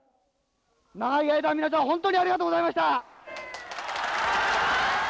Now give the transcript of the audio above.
長い間皆さん本当にありがとうございました。